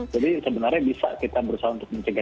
jadi sebenarnya bisa kita berusaha untuk mencegah